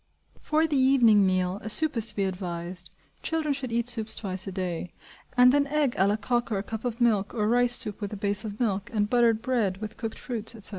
For the evening meal, a soup is to be advised (children should eat soups twice a day), and an egg à la coque or a cup of milk; or rice soup with a base of milk, and buttered bread, with cooked fruits, etc.